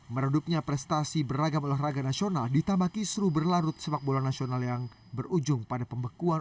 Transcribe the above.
meredupnya prestasi beragam olahraga nasional ditambah kisru berlarut sepak bola nasional yang berujung pada pembekuan